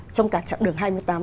trong cả chặng đường hai mươi năm